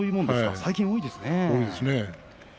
最近多いですね。